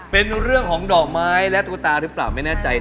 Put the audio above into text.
เป็นเรื่องของดอกไม้และตุ๊กตาหรือเปล่าไม่แน่ใจ